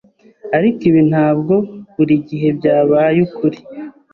Ariko, ibi ntabwo buri gihe byabaye ukuri.